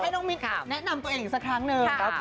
น้ำให้ทุกคนแนะนำตัวเองสักครั้งหนึ่ง